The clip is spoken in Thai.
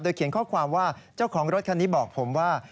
เขียนข้อความว่าเจ้าของรถคันนี้บอกผมว่า